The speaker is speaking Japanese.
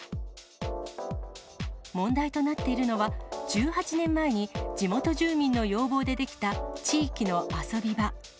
問題となっているのは、１８年前に地元住民の要望で出来た地域の遊び場。